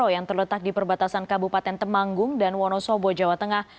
yang terletak di perbatasan kabupaten temanggung dan wonosobo jawa tengah